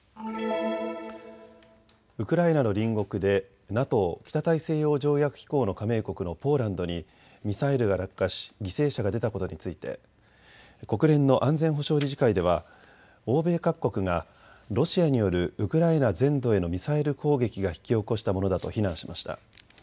ウクライナの隣国でＮＡＴＯ・北大西洋条約機構の加盟国のポーランドにミサイルが落下し犠牲者が出たことについて国連の安全保障理事会では欧米各国がロシアによるウクライナ全土へのミサイル攻撃が引き起こしたものだと非難しました。